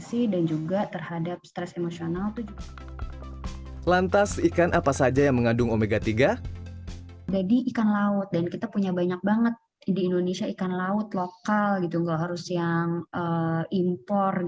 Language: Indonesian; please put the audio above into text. misalnya contohnya nih yang paling banyak misalnya ada di kakak putih